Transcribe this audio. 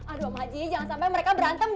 aduh om haji jangan sampe mereka berantem dong